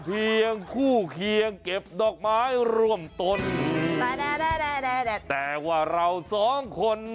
ไม่ใช่พี่ชายเมืองสิง